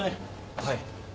はい。